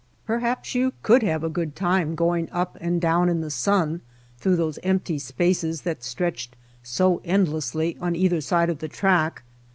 Perhaps you could have a good time going up and down in the sun through those empty spaces that stretched so endlessly on either side of the track.